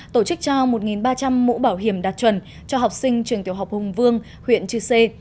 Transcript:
tổ chức trao một ba trăm linh mũ bảo hiểm đạt chuẩn cho học sinh trường tiểu học hùng vương huyện chư sê